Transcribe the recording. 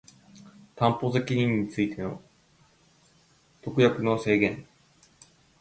担保責任についての特約の制限